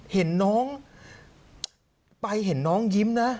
เห็นน้องไปเห็นน้องยิ้มนะ